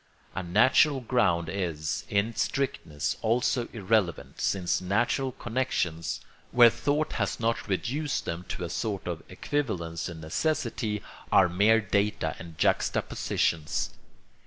A natural ground is, in strictness, also irrelevant, since natural connections, where thought has not reduced them to a sort of equivalence and necessity, are mere data and juxtapositions.